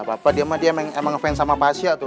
gapapa dia mah emang ngefans sama pasha tuh